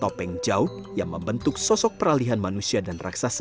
topeng jauh yang membentuk sosok peralihan manusia dan raksasa